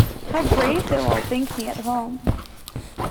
How brave they’ll all think me at home!